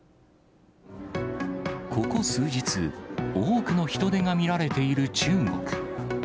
ここ数日、多くの人出が見られている中国。